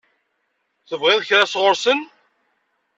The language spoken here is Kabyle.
Tebɣiḍ kra sɣur-sen?